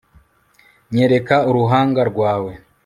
nyereka uruhanga rwawe